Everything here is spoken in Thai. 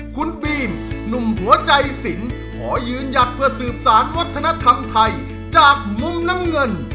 คุณบีมหนุ่มหัวใจสินขอยืนหยัดเพื่อสืบสารวัฒนธรรมไทยจากมุมน้ำเงิน